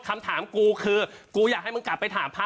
คำถามกูคือกูอยากให้มึงกลับไปถามพระ